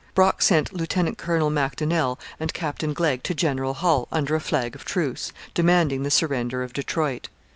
Brock sent Lieutenant Colonel Macdonell and Captain Glegg to General Hull, under a flag of truce; demanding the surrender of Detroit.